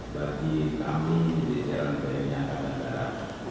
bagi kami di jalan jalan yang ada ada